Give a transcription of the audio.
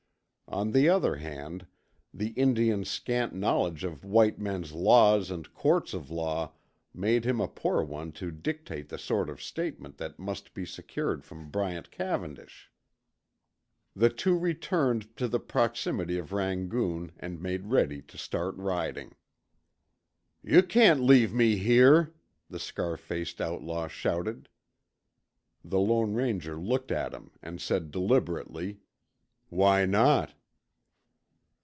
On the other hand, the Indian's scant knowledge of white men's laws and courts of law made him a poor one to dictate the sort of statement that must be secured from Bryant Cavendish. The two returned to the proximity of Rangoon and made ready to start riding. "Yuh can't leave me here," the scar faced outlaw shouted. The Lone Ranger looked at him and said deliberately, "Why not?"